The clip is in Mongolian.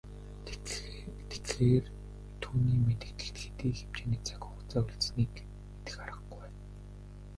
Тэгэхлээр түүний мэдэлд хэдий хэмжээний цаг хугацаа үлдсэнийг мэдэх аргагүй.